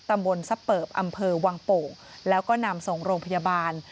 ตำบลซับเปิบอำเภอวังโป่งแล้วก็นำส่งโรงพยาบาล